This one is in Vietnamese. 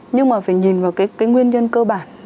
nhưng mà phải nhìn vào cái nguyên nhân cơ bản